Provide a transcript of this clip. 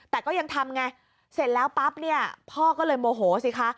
แต่ก็ยังทำไงเสร็จแล้วปั๊บเนี่ยพ่อก็เลยโมโหสิคะ